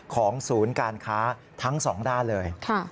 ของศูนย์การค้าทั้งสองด้านเลย